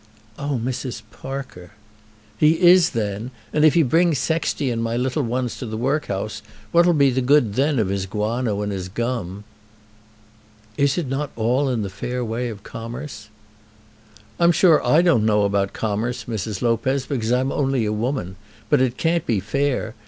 "Oh, Mrs. Parker!" "He is then. And if he brings Sexty and my little ones to the workhouse, what'll be the good then of his guano and his gum?" "Is it not all in the fair way of commerce?" "I'm sure I don't know about commerce, Mrs. Lopez, because I'm only a woman; but it can't be fair.